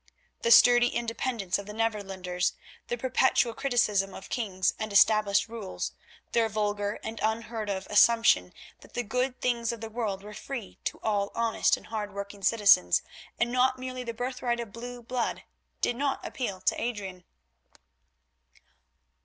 The sturdy independence of the Netherlanders, their perpetual criticism of kings and established rules, their vulgar and unheard of assumption that the good things of the world were free to all honest and hard working citizens, and not merely the birthright of blue blood, did not appeal to Adrian.